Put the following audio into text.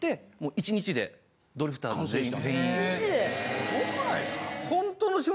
すごくないっすか？